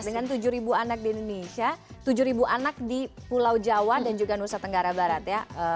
dengan tujuh anak di indonesia tujuh anak di pulau jawa dan juga nusa tenggara barat ya